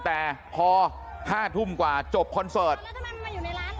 แต่พอห้าทุ่มกว่าจบคอนเสิร์ตแล้วทำไมมันมาอยู่ในร้านหรอ